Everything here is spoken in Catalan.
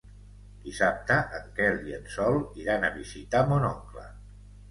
Dissabte en Quel i en Sol iran a visitar mon oncle.